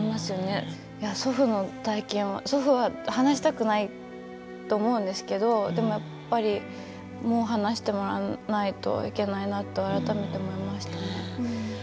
祖父の体験を祖父は話したくないと思うんですけどでもやっぱりもう話してもらわないといけないなと改めて思いました。